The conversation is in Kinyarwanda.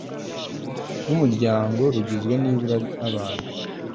rw umuryango rugizwe nibura n abantu